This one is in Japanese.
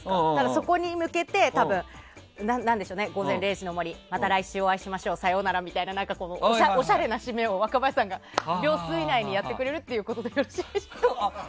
そこに向けて「午前０時の森」また来週お会いしましょうさようならみたいなおしゃれな締めを若林さんが秒数以内にやってくれるってことでよろしいでしょうか。